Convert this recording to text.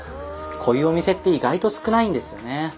こういうお店って意外と少ないんですよね。